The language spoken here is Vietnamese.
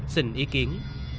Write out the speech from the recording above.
xin ý kiến